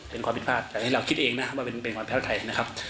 เป็นความผิดพลาดแต่ให้เราคิดเองนะครับว่าเป็นความแท้ไทยนะครับ